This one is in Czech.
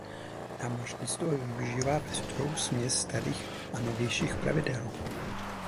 Námořnictvo využívá pestrou směs starých a novějších plavidel.